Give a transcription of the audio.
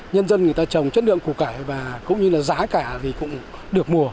nhân dân người ta trồng chất lượng củ cải và cũng như là giá cả thì cũng được mùa